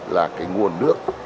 là cái nguồn nước